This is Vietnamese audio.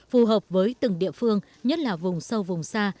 phù hợp với từng địa phương nhất là vùng sâu vùng xa